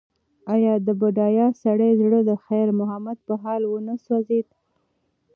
ایا د بډایه سړي زړه د خیر محمد په حال ونه سوځېد؟